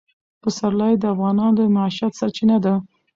پسرلی د افغانانو د معیشت سرچینه ده.